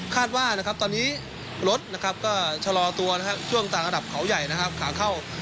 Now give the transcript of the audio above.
คาดว่าตอนนี้รถก็จะรอตัวช่วงต่างกระดับเขาใหญ่ขาเข้า